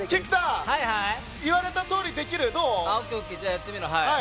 やってみる。